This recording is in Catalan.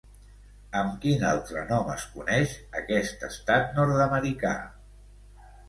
Amb quin altre nom es coneix aquest estat nord-americà?